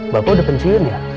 bapak udah pensiun ya